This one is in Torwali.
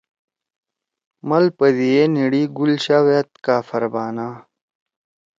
مال پدیِئے نھیِڑی گل شاہ وأد کاپھر بانا